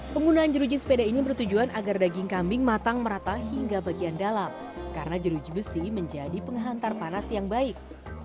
penggunaan jeruji sepeda ini bertujuan agar daging kambing matang merata hingga bagian dalam karena jeruji besi menjadi penghantar panas yang baik